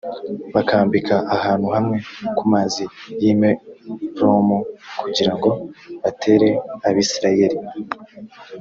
bakambika ahantu hamwe ku mazi y i meromu kugira ngo batere abisirayeli